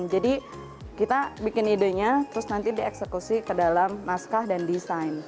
jadi kita bikin idenya terus nanti dieksekusi ke dalam maskah dan desain